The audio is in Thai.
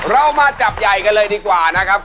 เรามาจับใหญ่กันเลยดีกว่านะครับ